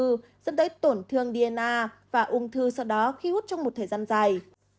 dẫn tới tổn thương dna và ung thư sau đó khi hút trong một thời gian dài